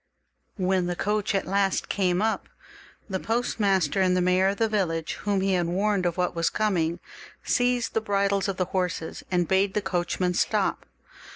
When the coach at last came up, the postmaster and the mayor of the village, whom he had warned of what was coming, seized the bridles of the horses, and bade the coachman stop.